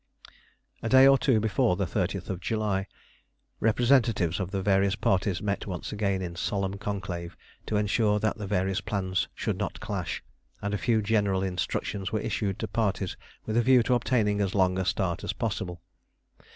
A day or two before the 30th July, representatives of the various parties met once again in solemn conclave to ensure that the various plans should not clash, and a few general instructions were issued to parties with a view to obtaining as long a start as possible.